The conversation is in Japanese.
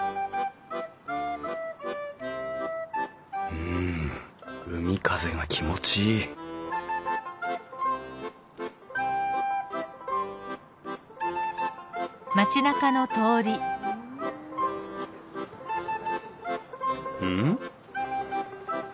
うん海風が気持ちいいん？